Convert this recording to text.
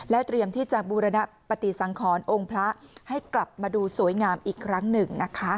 เตรียมที่จะบูรณปฏิสังขรองค์พระให้กลับมาดูสวยงามอีกครั้งหนึ่งนะคะ